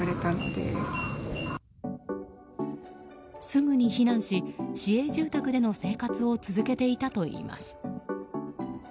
すぐに避難し、市営住宅での生活を続けていたといいます。